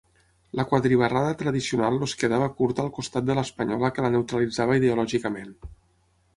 La quadribarrada tradicional els quedava curta al costat de l'espanyola que la neutralitzava ideològicament.